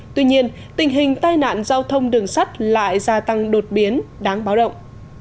tuy nhiên tình hình tai nạn giao thông đường sắt lại gia tăng đột biến đáng báo động